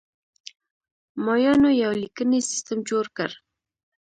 مایانو یو لیکنی سیستم جوړ کړ.